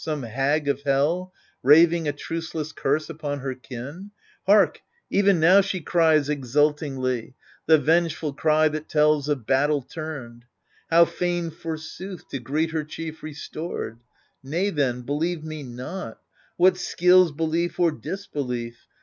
some hag of hell, Raving a truceless curse upon her kin ? Hark — even now she cries exultingly The vengeful cry that tells of battle turned — How fain, forsooth,, to greet her chief restored 1 Nay then, believe me not : what skills belief Or disbelief?